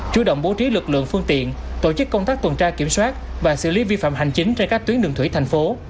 chủ động bố trí lực lượng phương tiện tổ chức công tác tuần tra kiểm soát và xử lý vi phạm hành chính trên các tuyến đường thủy thành phố